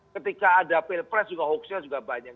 ketika ada pilpres juga hoax nya juga banyak